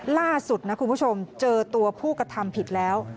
ล่าสุดนะคุณผู้ชมเจอตัวผู้กระทำผิดแล้ว